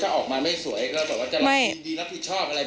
ก็ออกมาไม่สวยเราบอกว่าจะลองดีแล้วผู้ชอบอะไร